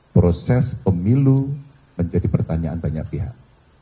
proses pemilu menjadi pertanyaan banyak pihak